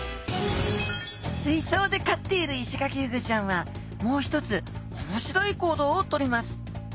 水そうで飼っているイシガキフグちゃんはもう一つ面白い行動をとります。